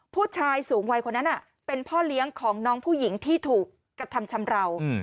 ผู้ชายสูงวัยคนนั้นเป็นพ่อเลี้ยงของน้องผู้หญิงที่ถูกกระทำชำราว